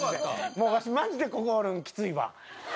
もうわしマジでここおるのきついわ。